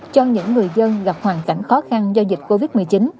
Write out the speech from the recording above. cho những người dân gặp hoàn cảnh khó khăn do dịch covid một mươi chín